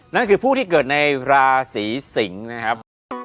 นั่นคือผู้ที่เกิดในราศีสิงศ์นะครับ